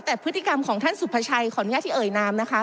แต่พฤติกรรมของท่านสุภาชัยขออนุญาตที่เอ่ยนามนะคะ